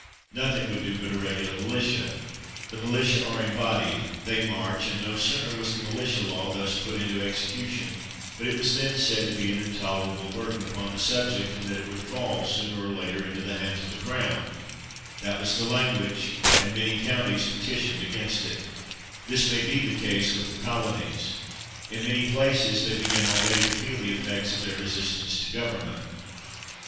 Nothing would do but a regular militia. The militia are embodied; they march; and no sooner was the militia law thus put into execution but it was then said to be an intolera ble burden upon the subject, and that it would fall, sooner or later, into the hands of the Crown. That was the language, and many counties peti tioned against it. 1 Mansfield does not mean by this that he had ever livid in America. 240 MANSFIELD This may be the case with the colonies. In many places they begin already to feel the effects of their resistance to government.